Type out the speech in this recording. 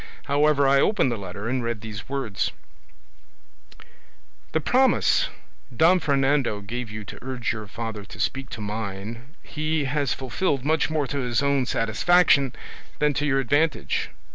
However, I opened the letter and read these words: "'The promise Don Fernando gave you to urge your father to speak to mine, he has fulfilled much more to his own satisfaction than to your advantage.